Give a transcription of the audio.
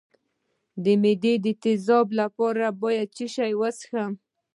د معدې د تیزابیت لپاره باید څه شی وڅښم؟